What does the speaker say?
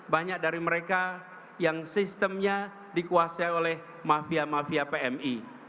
banyak dari mereka yang sistemnya dikuasai oleh mafia mafia pmi